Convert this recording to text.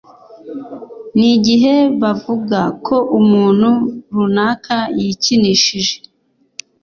n'igihe bavuga ko umuntu runaka yikinishije.